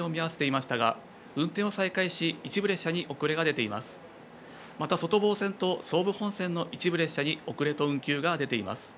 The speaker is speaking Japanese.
また外房線と総武本線の一部列車に遅れと運休が出ています。